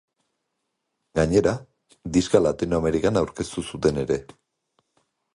Gainera, diska Latinoamerikan aurkeztu zuten ere.